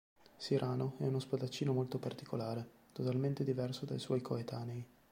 Cyrano è uno spadaccino molto particolare, totalmente diverso dai suoi coetanei.